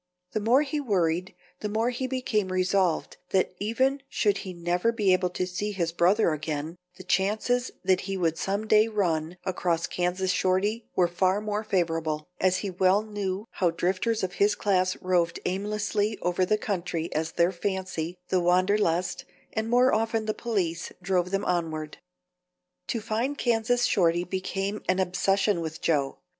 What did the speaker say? The more he worried the more he became resolved that even should he never be able to see his brother again, the chances that he would some day run across Kansas Shorty were far more favorable, as he well knew how drifters of his class roved aimlessly over the country as their fancy, the wanderlust, and more often the police drove them onward. To find Kansas Shorty became an obsession with Joe.